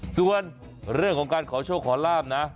ส่วนเรื่องของการขอโชคขอลาบนะ